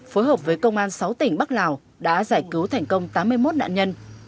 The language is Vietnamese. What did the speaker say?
phối hợp với công an sáu tỉnh bắc lào đã giải cứu thành công tám mươi một nạn nhân